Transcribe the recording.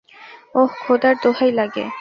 ওহ, খোদার দোহাই লাগে।